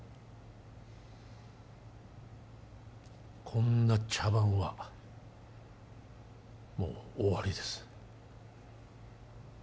こんな茶番はもう終わりです